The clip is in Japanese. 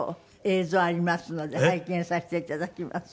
映像ありますので拝見させて頂きます。